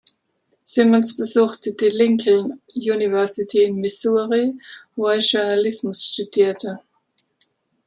Simmons besuchte die Lincoln University in Missouri wo er Journalismus studierte.